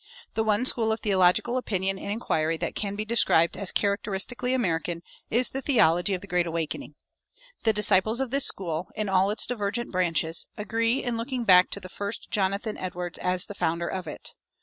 The one school of theological opinion and inquiry that can be described as characteristically American is the theology of the Great Awakening. The disciples of this school, in all its divergent branches, agree in looking back to the first Jonathan Edwards as the founder of it.